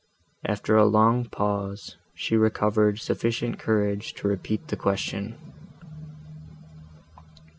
—After a long pause, she recovered sufficient courage to repeat the question.